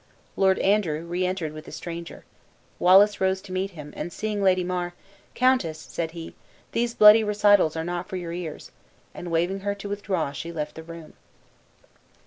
Lord Andrew re entered with a stranger, Wallace rose to meet him, and seeing Lady mar "Countess," said he, "these bloody recitals are not for your ears;" and waving her to withdraw, she left the room.